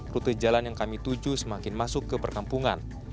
rute jalan yang kami tuju semakin masuk ke perkampungan